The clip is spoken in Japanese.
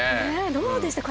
どうでしたか？